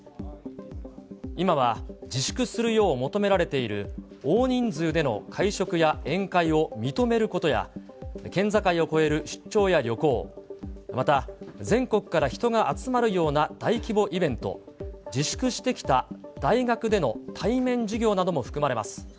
今は自粛するよう求められている、大人数での会食や宴会を認めることや、県境を越える出張や旅行、また全国から人が集まるような大規模イベント、自粛してきた大学での対面授業なども含まれます。